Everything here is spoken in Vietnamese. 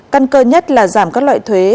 căn cơ nhất là giảm các loại thuế